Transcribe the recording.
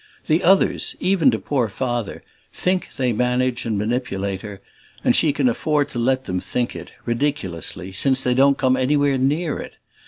The others, even to poor Father, think they manage and manipulate her, and she can afford to let them think it, ridiculously, since they don't come anywhere near it.